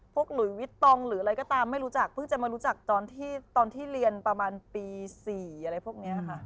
หลุยวิตตองหรืออะไรก็ตามไม่รู้จักเพิ่งจะมารู้จักตอนที่ตอนที่เรียนประมาณปี๔อะไรพวกนี้ค่ะ